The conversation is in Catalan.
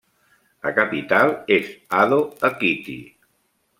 La capital és Ado-Ekiti.